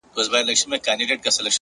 د زړه صفا اړیکې پیاوړې کوي,